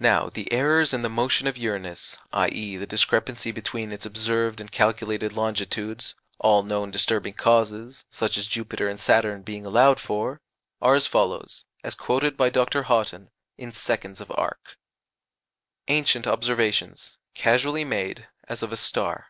Now the errors in the motion of Uranus, i.e. the discrepancy between its observed and calculated longitudes all known disturbing causes, such as Jupiter and Saturn, being allowed for are as follows (as quoted by Dr. Haughton) in seconds of arc: ANCIENT OBSERVATIONS (casually made, as of a star).